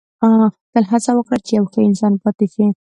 • تل هڅه وکړه چې یو ښه انسان پاتې شې.